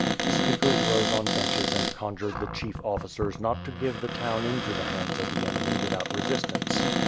The speakers rose on benches and conjured the chief officers not to give the town into the hands of the enemy without resist ance.